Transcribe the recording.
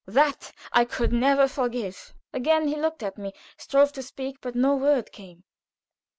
That I could never forgive." Again he looked at me, strove to speak, but no word came.